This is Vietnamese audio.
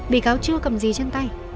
bị cáo chưa cầm gì trên tay